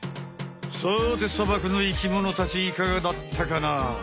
さて砂漠の生きものたちいかがだったかな？